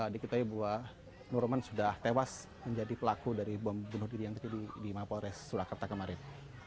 dikit dikit bahwa nur rohman sudah tewas menjadi pelaku dari bom bunuh diri yang terjadi di mapol resurakarta kemarin